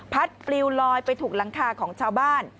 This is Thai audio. ปลิวลอยไปถูกหลังคาของชาวบ้าน